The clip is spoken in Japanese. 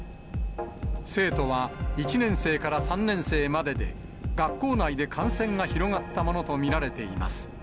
生徒は１年生から３年生までで、学校内で感染が広がったものと見られています。